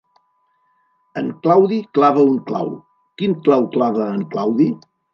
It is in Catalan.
En Claudi clava un clau, quin clau clava en Claudi?